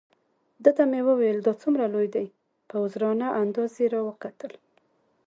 ده ته مې وویل: دا څومره لوی دی؟ په عذرانه انداز یې را وکتل.